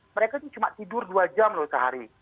mereka itu cuma tidur dua jam loh sehari